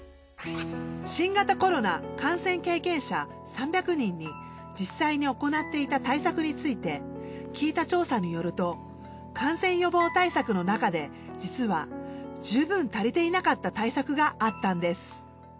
新型コロナ感染経験者３００人に実際に行っていた対策について聞いた調査によると感染予防対策の中で実は十分足りていなかった対策があったんです。